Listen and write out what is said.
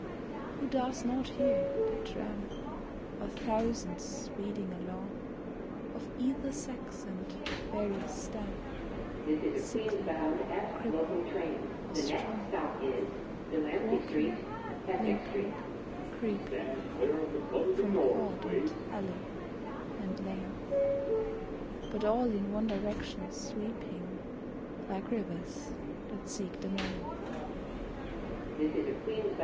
Who does not hear the tramp Of thousands speeding along Of either sex and various stamp, Sickly, cripple, or strong, Walking, limping, creeping From court and alley, and lane, But all in one direction sweeping Like rivers that seek the main?